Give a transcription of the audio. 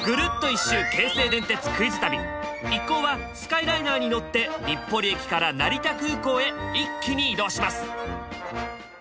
一行はスカイライナーに乗って日暮里駅から成田空港へ一気に移動します！